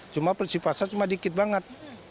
cuma prinsip pasar cuma dikit banget